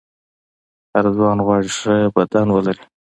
هر ځوان غواړي ښه بدن ولري.